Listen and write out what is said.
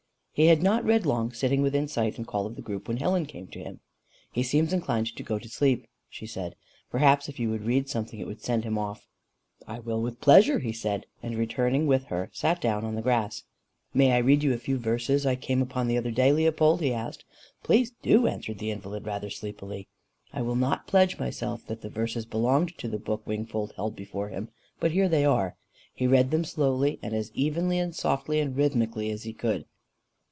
He had not read long, sitting within sight and call of the group, when Helen came to him. "He seems inclined to go to sleep," she said. "Perhaps if you would read something, it would send him off." "I will with pleasure," he said, and returning with her, sat down on the grass. "May I read you a few verses I came upon the other day, Leopold?" he asked. "Please do," answered the invalid, rather sleepily. I will not pledge myself that the verses belonged to the book Wingfold held before him, but here they are. He read them slowly, and as evenly and softly and rhythmically as he could.